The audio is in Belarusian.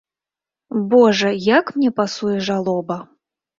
Божа, як мне пасуе жалоба!